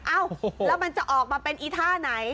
เอ้าแล้วมันจะออกมาเป็นอีท่าไหน